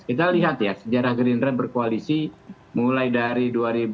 kita lihat ya sejarah gerindra berkoalisi mulai dari dua ribu sembilan dua ribu empat belas dua ribu sembilan belas